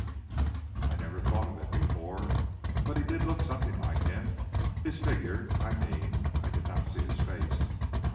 "I never thought of it before, but he did look something like him his figure, I mean; I did not see his face."